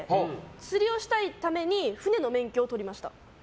釣りをしたいために船の免許を取りました。